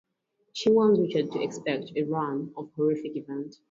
She warns Richard to expect a run of horrific event.